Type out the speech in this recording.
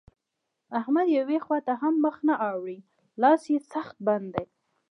د احمد يوې خوا ته هم مخ نه اوړي؛ لاس يې سخت بند دی.